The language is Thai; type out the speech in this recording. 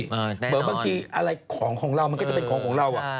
เหมือนบางทีอะไรของของเรามันก็จะเป็นของของเรา